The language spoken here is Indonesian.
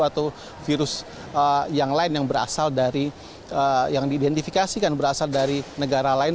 atau virus yang lain yang berasal dari yang diidentifikasikan berasal dari negara lain